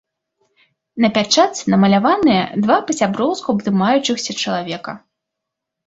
На пячатцы намаляваныя два па-сяброўску абдымаючыхся чалавека.